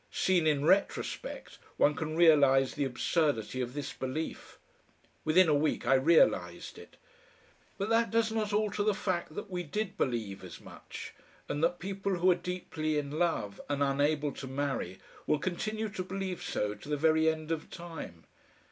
Seen in retrospect, one can realise the absurdity of this belief; within a week I realised it; but that does not alter the fact that we did believe as much, and that people who are deeply in love and unable to marry will continue to believe so to the very end of time.